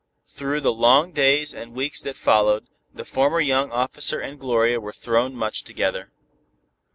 Through the long days and weeks that followed, the former young officer and Gloria were thrown much together.